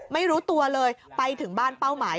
ไม่รู้ตัวเลยไปถึงบ้านเป้าหมาย